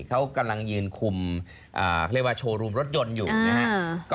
เขากำลังยืนคุมเขาเรียกว่าโชว์รูมรถยนต์อยู่นะครับ